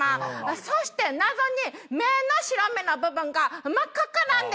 そして謎に目の白目の部分が真っ赤っかなんです。